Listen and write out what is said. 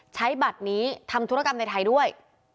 ใช้บัตรนี้ทำธุรกรรมในไทยด้วย